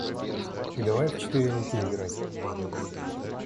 И давай в четыре руки играть.